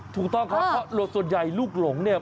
ถูกต้องครับเพราะส่วนใหญ่ลูกหลงเนี่ย